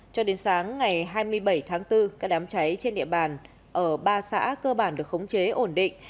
cho đến sáng ngày hai mươi bảy tháng bốn các đám cháy trên địa bàn ở ba xã cơ bản được khống chế ổn định